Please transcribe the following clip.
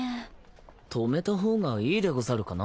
止めた方がいいでござるかな？